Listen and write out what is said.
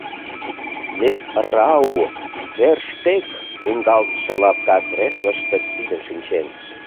Мефрау Ферштег лӱҥгалтше лапка креслыште пидын шинчен.